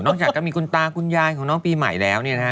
จากก็มีคุณตาคุณยายของน้องปีใหม่แล้วเนี่ยนะฮะ